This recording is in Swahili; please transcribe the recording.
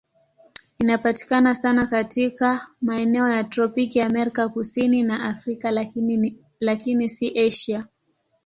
Inapatikana sana katika maeneo ya tropiki Amerika Kusini na Afrika, lakini si Asia.